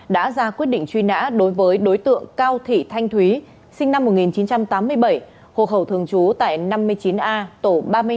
đã ra quyết định truy nã đối với đối tượng cao thị thanh thúy sinh năm một nghìn chín trăm tám mươi bảy hộ khẩu thường trú tại năm mươi chín a tổ ba mươi năm